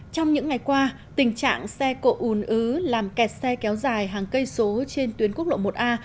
trong những ngày qua tình trạng xe cộ ùn ứ làm kẹt xe kéo dài hàng cây số trên tuyến quốc lộ một a